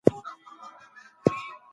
انا خپلې اوښکې په خپلو وچو لاسونو پاکې کړې.